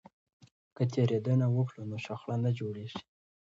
که تیریدنه وکړو نو شخړه نه جوړیږي.